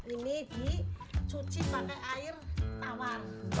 ini di cuci pakai air tawar